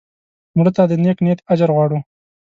مړه ته د نیک نیت اجر غواړو